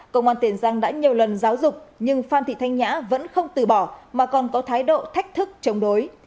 công an tiền giang đã nhiều lần giáo dục nhưng phan thị thanh nhã vẫn không từ bỏ mà còn có thái độ thách thức chống đối